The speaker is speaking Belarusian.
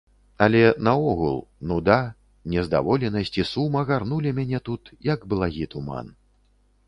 Але, наогул, нуда, нездаволенасць і сум агарнулі мяне тут, як благі туман.